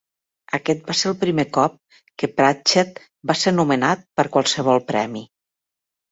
Aquest va ser el primer cop que Pratchett va ser nomenat per qualsevol premi.